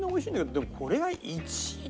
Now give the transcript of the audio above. でもこれが１位。